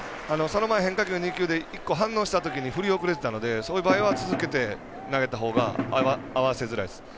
その前変化球２球で１球反応したとき振り遅れてたのでそういう場合は続けて投げたほうが合わせづらいです。